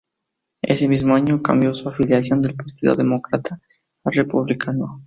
Ese mismo año, cambió su afiliación del Partido Demócrata al Republicano.